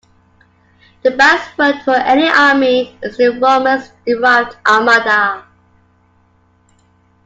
The Basque word for an army is the Romance-derived "armada".